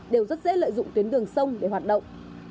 đều rất dễ lợi dụng tuyến đường sông để hoạt động